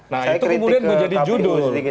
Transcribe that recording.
nah itu kemudian menjadi judul